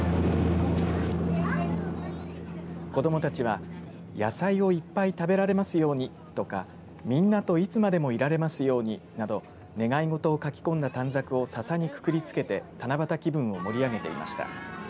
子どもたちは野菜をいっぱい食べられますようにとかみんなといつまでもいられますようになど願い事を書き込んだ短冊をササにくくりつけて七夕気分を盛り上げていました。